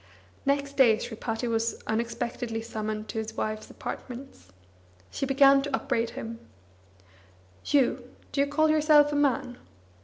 Next day Sripati was unexpectedly summoned to his wife's apartments. She began to upbraid him: "You, do you call yourself a man?